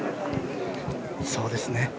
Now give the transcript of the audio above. そうですね。